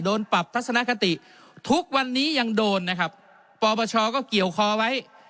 โดนปรับทัศนคติทุกวันนี้ยังโดนนะครับปปชก็เกี่ยวคอไว้